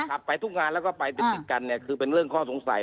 ไปทุกงานแล้วก็ไปติดกันเนี่ยคือเป็นเรื่องข้อสงสัย